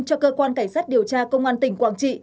cho cơ quan cảnh sát điều tra công an tỉnh quảng trị